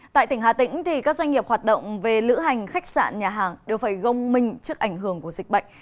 tại tỉnh hà tĩnh các doanh nghiệp hoạt động về lữ hành khách sạn nhà hàng đều phải gông minh trước ảnh hưởng của dịch bệnh